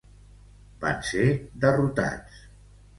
Van ser derrotats.